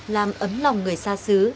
làm ấm lòng người xa xứ